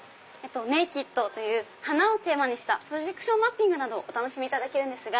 ネイキッドという花をテーマにしたプロジェクションマッピングなどお楽しみいただけるんです。